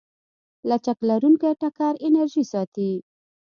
لچک لرونکی ټکر انرژي ساتي.